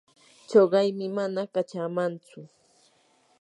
chuqaymi mana kachamantsu.